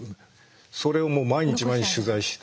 それを毎日毎日取材して。